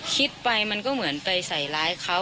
คิดไปมันก็เหมือนไปใส่ร้ายเขา